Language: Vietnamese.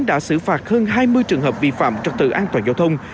đã xử phạt hơn hai mươi trường hợp vi phạm trật tự an toàn giao thông